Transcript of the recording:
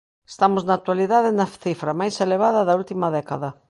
Estamos na actualidade na cifra máis elevada da última década.